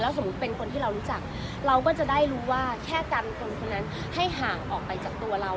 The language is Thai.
สมมุติเป็นคนที่เรารู้จักเราก็จะได้รู้ว่าแค่กันคนนั้นให้ห่างออกไปจากตัวเรา